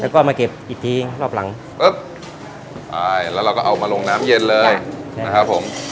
แล้วก็มาเก็บอีกทีรอบหลังปุ๊บอ่ายแล้วเราก็เอามาลงน้ำเย็นเลยนะครับผม